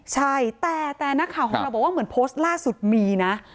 ใช่แต่นักข่าวของเราบอกว่าเหมือนโพสต์ล่าสุดมีนะ